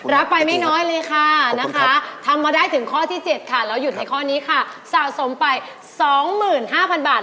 รับไปไม่น้อยเลยค่ะนะคะทำมาได้ถึงข้อที่๗ค่ะแล้วหยุดในข้อนี้ค่ะสะสมไป๒๕๐๐๐บาท